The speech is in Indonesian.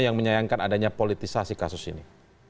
yang menyayangkan adanya politisasi kasus ini